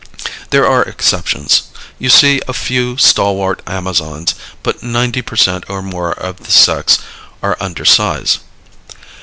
There are exceptions. You see a few stalwart amazons, but ninety per cent or more of the sex are under size.